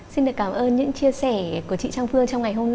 xin được cảm ơn những chia sẻ của chị trang phương